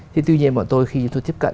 thế tuy nhiên bọn tôi khi chúng tôi tiếp cận